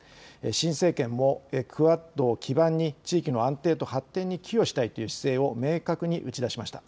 新政権もクアッドを基盤に地域の安定と発展に寄与したいという姿勢を明確に打ち出しました。